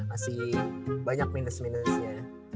masih banyak minus minusnya